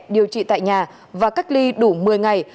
điều trị tại nhà và cách ly đủ một mươi ngày